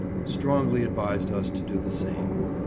strongly advised us to do the same.